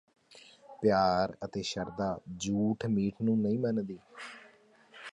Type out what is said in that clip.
ਪਿਆਰ ਅਤੇ ਸ਼ਰਧਾ ਜੂਠ ਮੀਠ ਨੂੰ ਨਹੀਂ ਮੰਨਦੀ